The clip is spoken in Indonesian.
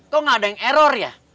kok gak ada yang error ya